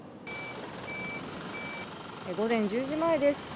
午前１０時前です。